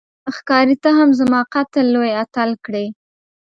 ښکاري ته هم زما قتل لوی اتل کړې